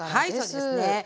はいそうですね。